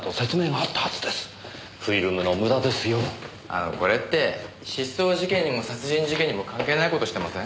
あのこれって失踪事件にも殺人事件にも関係ない事してません？